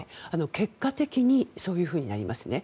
結果的にそういうふうになりますね。